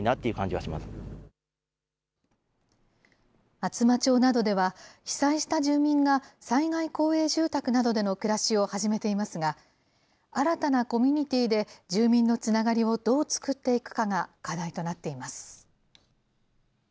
厚真町などでは、被災した住民が災害公営住宅などでの暮らしを始めていますが、新たなコミュニティーで住民のつながりをどう作っていくかが課題